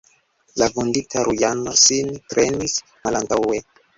La vundita Rujano sin trenis malantaŭe.